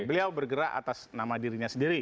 beliau bergerak atas nama dirinya sendiri